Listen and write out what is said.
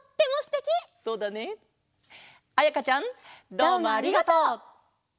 どうもありがとう！